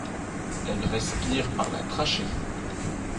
Elles respirent par la trachée.